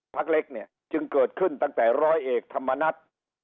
พักเล็กเนี่ยจึงเกิดขึ้นตั้งแต่ร้อยเอกธรรมนัฐ